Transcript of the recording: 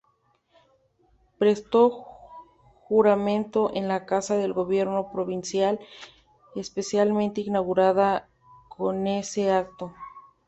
Prestó juramento en la Casa de Gobierno provincial, especialmente inaugurada con ese acto.